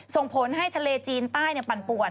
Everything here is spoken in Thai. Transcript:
ส่งผลให้ทะเลจีนใต้ปั่นป่วน